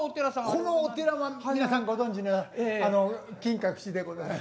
このお寺は皆さんご存じの金隠しでございます。